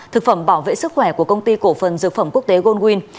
thực phẩm bảo vệ sức khỏe của công ty cổ phần dược phẩm quốc tế goldwin